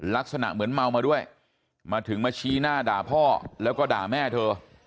ลักษณะเหมือนเมามาด้วยมาถึงมาชี้หน้าด่าพ่อแล้วก็ด่าแม่เธอ